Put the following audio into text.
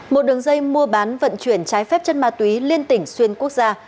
một đường dây mua bán vận chuyển trái phép chất ma túy liên tỉnh xuyên quốc gia